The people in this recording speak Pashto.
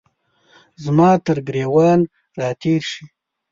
زما ترګریوان را تیر شي